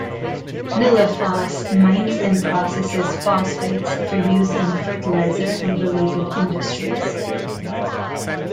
Nilefos mines and processes phosphates for use in fertilizer and related industries.